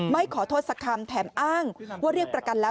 ไม่ขอโทษสักคำแถมอ้างว่าเรียกประกันแล้ว